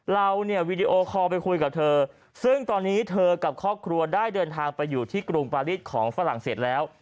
เราเนี่ยวีดีโอคอลไปคุยกับเธอซึ่งตอนนี้เธอกับครอบครัวได้เดินทางไปอยู่ที่กรุงปาริสของฝรั่งเศสแล้ว